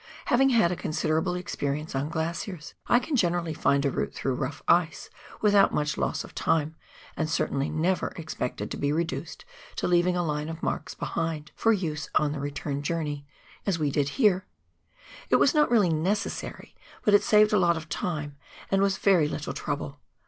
Having had a consider able experience on glaciers, I can generally find a route through rough ice without much loss of time, and certainly never expected to be reduced to leaving a line of marks behind — for use on the return journey — as we did here. It was not really necessary, but it saved a lot of time, and was very little trouble.